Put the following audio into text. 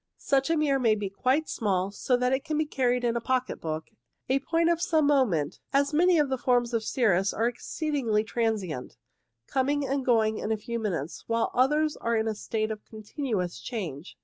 Such a mirror may be quite small, so that it can be carried in a pocket book, a point of some moment, as many of the forms of cirrus are exceedingly transient, coming and going in a few minutes, while others are in a state of con tinuous change.